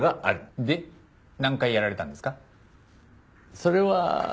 それは。